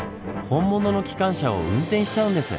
本物の機関車を運転しちゃうんです。